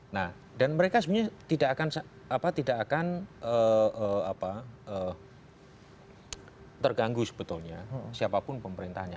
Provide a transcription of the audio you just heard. nah dan mereka sebenarnya tidak akan terganggu sebetulnya siapapun pemerintahnya